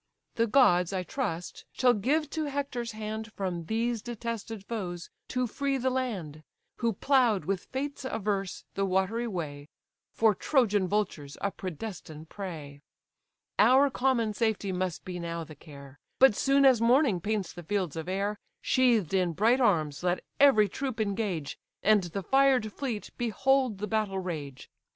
The gods, I trust, shall give to Hector's hand From these detested foes to free the land, Who plough'd, with fates averse, the watery way: For Trojan vultures a predestined prey. Our common safety must be now the care; But soon as morning paints the fields of air, Sheathed in bright arms let every troop engage, And the fired fleet behold the battle rage.